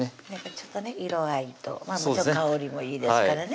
ちょっとね色合いと香りもいいですからね